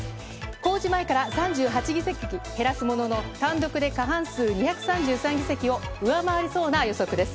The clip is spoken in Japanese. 公示前から３８議席減らすものの、単独で過半数２３３議席を上回りそうな予測です。